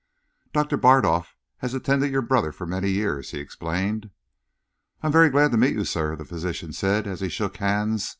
"Doctor Bardolf has attended your brother for many years," he explained. "I am very glad to meet you, sir," the physician said, as he shook hands.